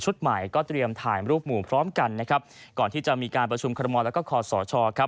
ใหม่ก็เตรียมถ่ายรูปหมู่พร้อมกันนะครับก่อนที่จะมีการประชุมคอรมอลแล้วก็คอสชครับ